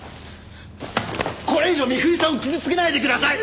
これ以上美冬さんを傷つけないでください！